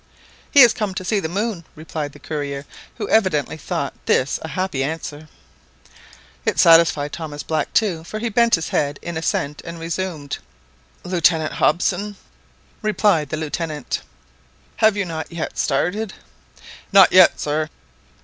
"He is come to see the moon," replied the courier, who evidently thought this a happy answer. It satisfied Thomas Black too, for he bent his head in assent and resumed— "Lieutenant Hobson?" "I am here," replied the Lieutenant. "You have not yet started?" "Not. yet, sir."